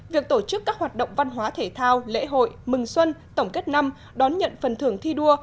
việc tổ chức các hoạt động văn hóa thể thao lễ hội mừng xuân tổng kết năm đón nhận phần thưởng thi đua